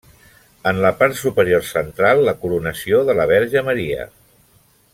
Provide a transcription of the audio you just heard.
En la part superior central la Coronació de la Verge Maria.